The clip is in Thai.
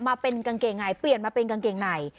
มาเป็นกางเกงในเปลี่ยนมาเป็นกางเกงใน